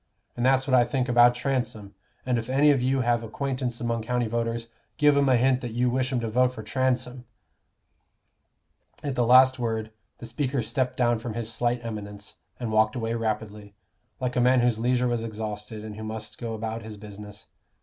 And that's what I think about Transome. And if any of you have acquaintance among county voters, give 'em a hint that you wish 'em to vote for Transome." At the last word, the speaker stepped down from his slight eminence, and walked away rapidly, like a man whose leisure was exhausted, and who must go about his business.